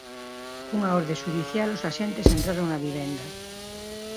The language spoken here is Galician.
Cunha orde xudicial, os axentes entraron na vivenda.